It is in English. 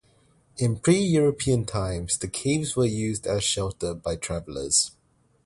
In pre-European times, the caves were used as shelter by travellers.